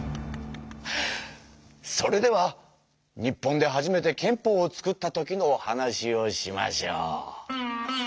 それでは日本で初めて憲法を作った時のお話をしましょう。